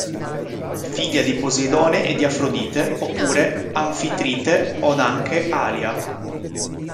Figlia di Poseidone e di Afrodite oppure Anfitrite od anche Alia.